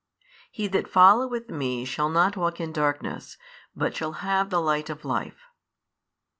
He that followeth Me shall not walk in darkness, but shall have the light of life.